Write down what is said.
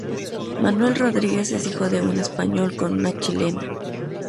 Manuel Rodríguez es hijo de un español con una chilena.